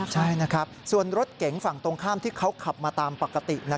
ใช่นะครับส่วนรถเก๋งฝั่งตรงข้ามที่เขาขับมาตามปกติ